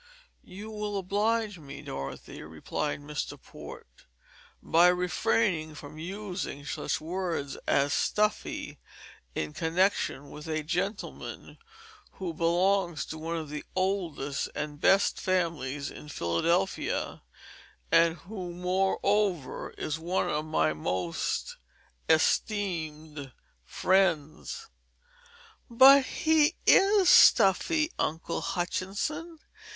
"You will oblige me, Dorothy," replied Mr. Port, "by refraining from using such a word as 'stuffy' in connection with a gentleman who belongs to one of the oldest and best families in Philadelphia, and who, moreover, is one of my most esteemed friends." "But he is stuffy, Uncle Hutchinson.